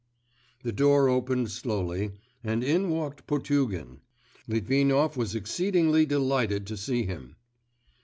_' The door opened slowly and in walked Potugin. Litvinov was exceedingly delighted to see him.